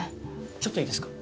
ちょっといいですか？